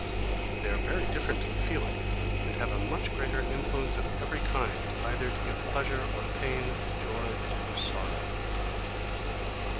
They are very different to the feeling, and have a much greater influence of every kind, either to give pleasure or pain, joy or sorrow.